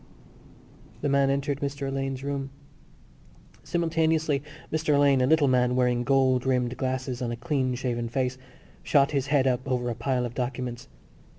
The man entered Mr Alleyne's room. Simultaneously Mr Alleyne, a little man wearing gold rimmed glasses on a clean shaven face, shot his head up over a pile of documents.